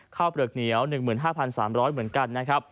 เปลือกเหนียว๑๕๓๐๐เหมือนกันนะครับ